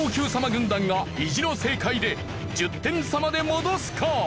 軍団が意地の正解で１０点差まで戻すか？